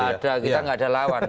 kita tidak ada lawan